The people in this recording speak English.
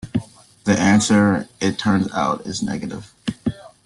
The answer, it turns out is negative.